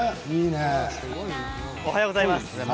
おはようございます。